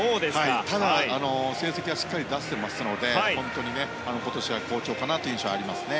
ただ、成績はしっかり出せていますので本当に今年は好調かなという印象がありますね。